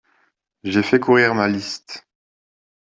J'ai fait courir ma liste.